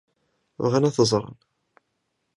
Bɣan ad t-ẓren?